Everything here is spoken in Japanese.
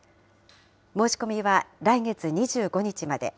申し込みは来月２５日まで。